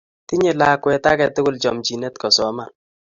tinye lakwet aketukul chomchinee kusoman